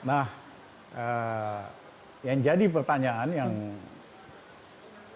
nah yang jadi pertanyaan yang menurut saya